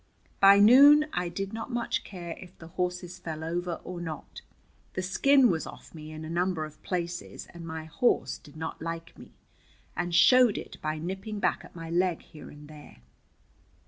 By noon I did not much care if the horses fell over or not. The skin was off me in a number of places, and my horse did not like me, and showed it by nipping back at my leg here and there.